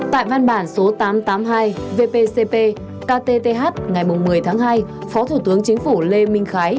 tại văn bản số tám trăm tám mươi hai vpcp ktth ngày một mươi tháng hai phó thủ tướng chính phủ lê minh khái